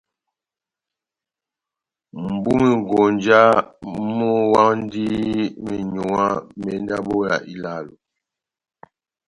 mʼbúmwi-konja múhukwindi menyuwa mé ndabo ilálo.